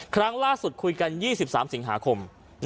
ครั้งล่าสุดคุยกัน๒๓สิงหาคม